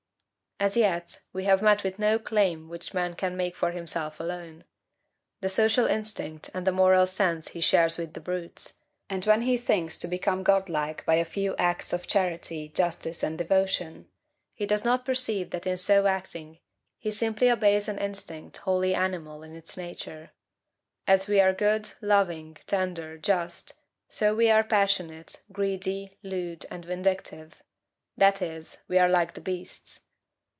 As yet, we have met with no claim which man can make for himself alone. The social instinct and the moral sense he shares with the brutes; and when he thinks to become god like by a few acts of charity, justice, and devotion, he does not perceive that in so acting he simply obeys an instinct wholly animal in its nature. As we are good, loving, tender, just, so we are passionate, greedy, lewd, and vindictive; that is, we are like the beasts.